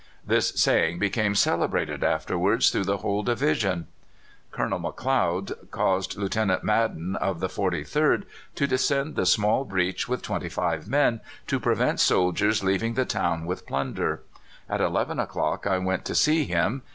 This saying became celebrated afterwards through the whole division. "Colonel McLeod caused Lieutenant Madden of the 43rd to descend the small breach with twenty five men, to prevent soldiers leaving the town with plunder. At eleven o'clock I went to see him.